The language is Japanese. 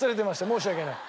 申し訳ない。